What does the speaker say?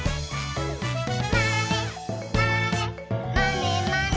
「まねまねまねまね」